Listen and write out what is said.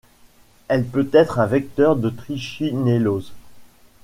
Elle peut être un vecteur de trichinellose.